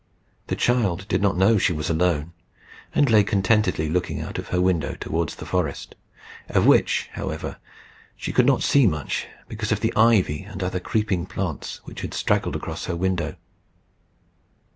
The child did not know she was alone, and lay contentedly looking out of her window towards the forest, of which, however, she could not see much, because of the ivy and other creeping plants which had straggled across her window.